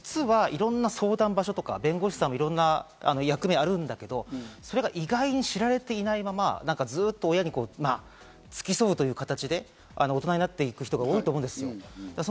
それともう一つ、例えば困った時に実はいろんな相談場所とか弁護士さんもいろいろ役目があるんだけど、それが意外に知られていないままずっと親に付き添うという形で大人になっていく人が多いと思うんです。